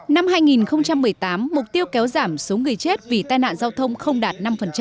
năm hai nghìn một mươi tám mục tiêu kéo giảm số người chết vì tai nạn giao thông không đạt năm